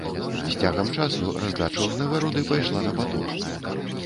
З цягам часу раздача ўзнагароды пайшла на паток.